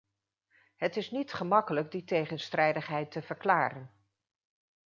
Het is niet gemakkelijk die tegenstrijdigheid te verklaren.